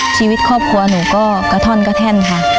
ชีวิตครอบครัวหนูก็กระท่อนกระแท่นค่ะ